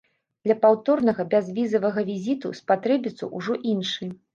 Для паўторнага бязвізавага візіту спатрэбіцца ўжо іншы.